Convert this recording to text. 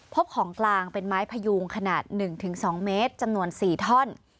พบของกลางเป็นไม้พยูงขนาด๑๒เมตรจำนวน๔ท่อน